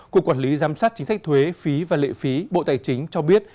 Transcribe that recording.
cục quản lý giám sát chính sách thuế phí và lệ phí bộ tài chính cho biết